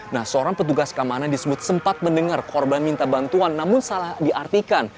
nah seorang petugas keamanan disebut sempat mendengar korban minta bantuan namun salah diartikan